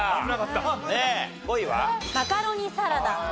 マカロニサラダです。